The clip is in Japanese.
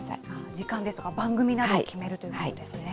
時間ですとか番組などを決めるということですね。